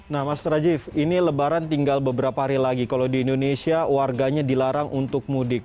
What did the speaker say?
nah mas rajif ini lebaran tinggal beberapa hari lagi kalau di indonesia warganya dilarang untuk mudik